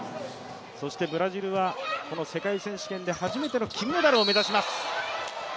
そしてブラジルはこの世界選手権で初めての金メダルを目指します。